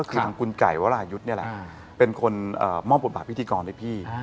คือทางคุณไก่วรายุทธ์นี่แหละเป็นคนมอบบทบาทพิธีกรให้พี่